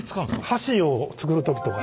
橋を作る時とか。